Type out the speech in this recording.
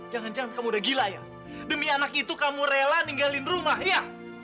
jangan jangan kamu udah gila ya demi anak itu kamu rela ninggalin rumah ya